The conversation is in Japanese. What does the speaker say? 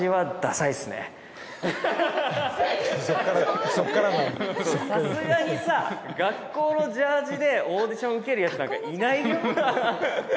さすがにさ学校のジャージでオーディション受けるヤツなんかいないよ。